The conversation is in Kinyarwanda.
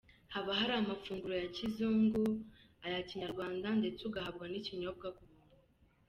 Haba hari amafunguro ya kizungu, ya Kinyarwanda ndetse ugahabwa n’ikinyobwa ku buntu.